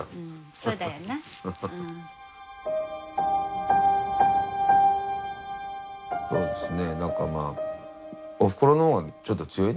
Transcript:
そうですね。